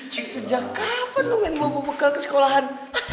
cik sejak kapan lo main bau bau bekal ke sekolahan